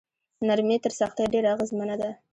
نرمي تر سختۍ ډیره اغیزمنه ده.